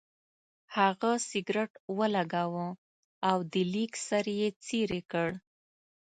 هغه سګرټ ولګاوه او د لیک سر یې څېرې کړ.